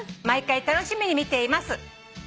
毎回楽しみに見ています」